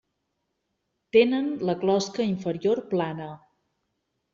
Tenen la closca inferior plana.